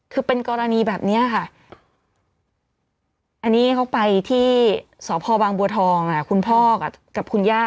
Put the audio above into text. คือเป็นกรณีแบบนี้ค่ะอันนี้เขาไปที่สพบางบัวทองคุณพ่อกับคุณย่า